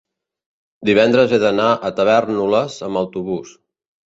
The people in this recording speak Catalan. divendres he d'anar a Tavèrnoles amb autobús.